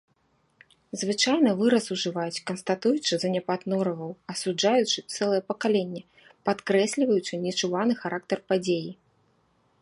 Звычайна выраз ужываюць, канстатуючы заняпад нораваў, асуджаючы цэлае пакаленне, падкрэсліваючы нечуваны характар падзеі.